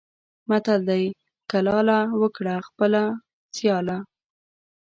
متل دی: کلاله! وکړه خپله سیاله.